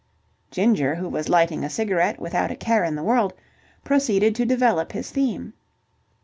Ginger, who was lighting a cigarette without a care in the world, proceeded to develop his theme.